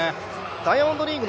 ダイヤモンドリーグ